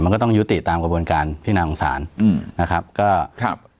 มันก็ต้องยุติตามกระบวนการพินาของศาลอืมนะครับก็ครับ